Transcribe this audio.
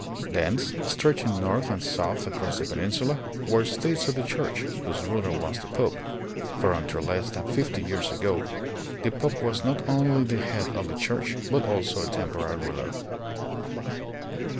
Thence, stretching north and south across the peninsula, were states of the church, whose ruler was the pope, for until less than fifty years ago the pope was not only the head of the church but also a temporal ruler.